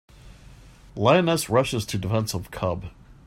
Lioness Rushes to Defense of Cub.